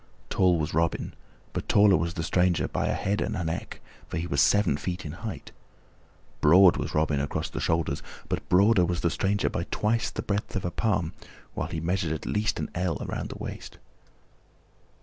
Tall was Robin, but taller was the stranger by a head and a neck, for he was seven feet in height. Broad was Robin across the shoulders, but broader was the stranger by twice the breadth of a palm, while he measured at least an ell around the waist.